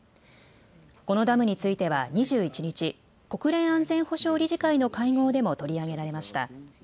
このダムについては２１日、国連安全保障理事会の会合でも取り上げられました。